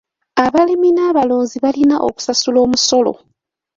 Abalimi n'abalunzi balina okusasula omusolo.